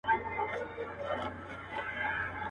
څوك به نيسي د ديدن د ګودر لاري.